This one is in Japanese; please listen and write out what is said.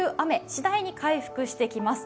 次第に回復してきます。